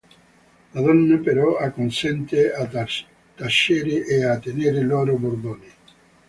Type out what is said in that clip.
La donna, però, acconsente a tacere e a tenere loro bordone.